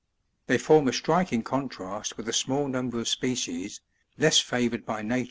Tliey form a striking contrast with a small number of species, less favoured by nature, which, 13.